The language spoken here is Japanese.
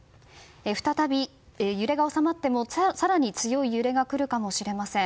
再び揺れが収まっても更に強い揺れが来るかもしれません。